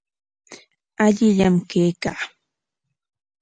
Allillam kaykaa.